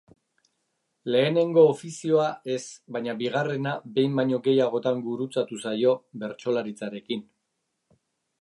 Lehenengo ofizioa ez, baina bigarrena behin baino gehiagotan gurutzatu zaio bertsolaritzarekin.